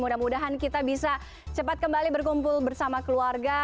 mudah mudahan kita bisa cepat kembali berkumpul bersama keluarga